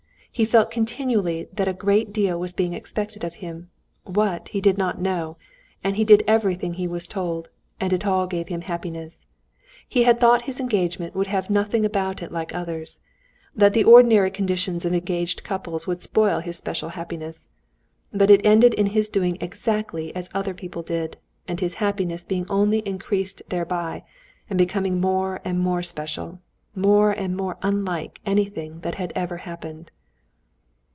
He felt continually that a great deal was being expected of him—what, he did not know; and he did everything he was told, and it all gave him happiness. He had thought his engagement would have nothing about it like others, that the ordinary conditions of engaged couples would spoil his special happiness; but it ended in his doing exactly as other people did, and his happiness being only increased thereby and becoming more and more special, more and more unlike anything that had ever happened.